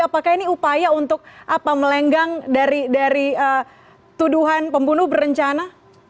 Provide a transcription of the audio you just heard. apakah ini upaya untuk melenggang dari tuduhan pembunuh berencana